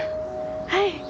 はい。